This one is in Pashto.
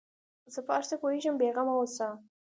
زه په هر څه پوهېږم بې غمه اوسه.